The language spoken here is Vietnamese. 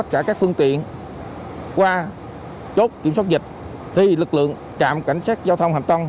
sau khi tất cả các phương tiện qua chốt kiểm soát dịch thì lực lượng trạm cảnh sát giao thông hạm tông